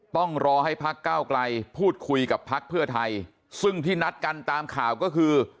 ต้องรอให้พักเก้าไกลพูดคุยกับพักเพื่อไทยซึ่งที่นัดกันตามข่าวก็คือ